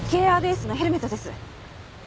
ＫＲＳのヘルメットです。